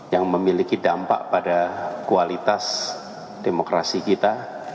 yang memiliki dampak pada kualitas demokrasi kita